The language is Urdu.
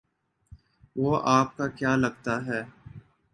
وہ آپ کا کیا لگتا ہے؟